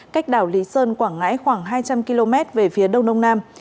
cách đảo lý sơn quảng ngãi khoảng hai trăm linh km về phía đông đông nam